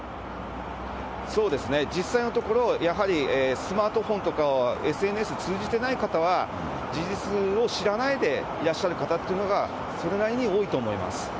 そうですね、実際のところ、やはりスマートフォンとか、ＳＮＳ通じてない方は、事実を知らないでいらっしゃる方っていうのが、それなりに多いと思います。